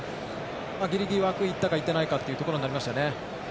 ギリギリ枠にいったかいっていないかというところになりましたね。